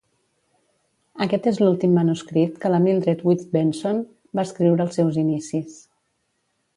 Aquest és l'últim manuscrit que la Mildred Wirt Benson va escriure als seus inicis.